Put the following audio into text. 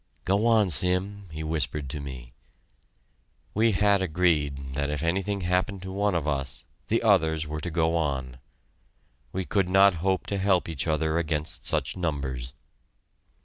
"Go on, Sim," he whispered to me. We had agreed that if anything happened to one of us, the others were to go on. We could not hope to help each other against such numbers.